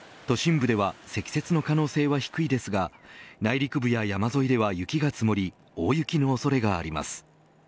都心部では積雪の可能性は低いですが内陸部や山沿いでは雪が積もり大雪の恐れがあります。